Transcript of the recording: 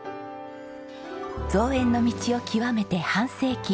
造園の道を極めて半世紀。